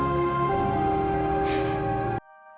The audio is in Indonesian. aku kalau mau ke papa aku lupakan ibu